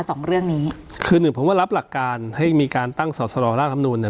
สองเรื่องนี้คือหนึ่งผมว่ารับหลักการให้มีการตั้งสอสรร่างธรรมนูลเนี่ย